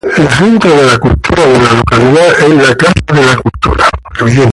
El centro de la cultura de la localidad es la Casa de Cultura.